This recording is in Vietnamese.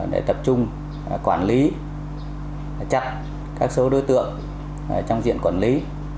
để tập trung quản lý chặt các số đối tượng trong diện quản lý